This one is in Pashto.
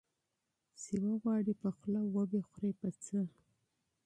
ـ چې وغواړې په خوله وبه خورې په څه.